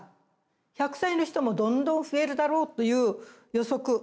１００歳の人もどんどん増えるだろうという予測があります。